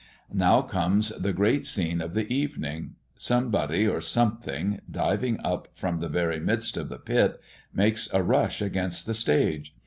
Now comes the great scene of the evening! Somebody or something, diving up from the very midst of the pit, makes a rush against the stage.